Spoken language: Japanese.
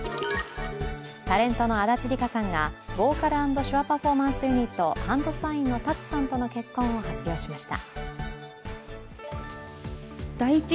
タレントの足立梨花さんがボーカル＆手話パフォーマンスユニットＨＡＮＤＳＩＧＮのＴＡＴＳＵさんとの結婚を発表しました。